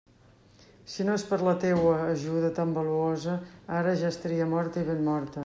Si no és per la teua ajuda tan valuosa, ara ja estaria morta i ben morta.